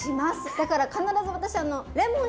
だから必ず私レモン搾ります。